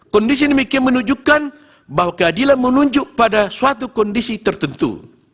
kondisi demikian menunjukkan bahwa keadilan menunjuk pada suatu kondisi tertentu